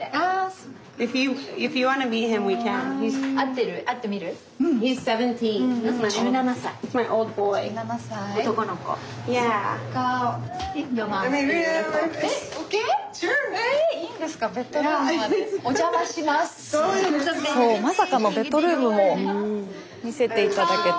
スタジオそうまさかのベッドルームも見せて頂けて。